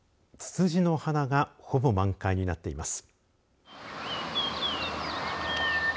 ツツジの花がほぼ満開になっています。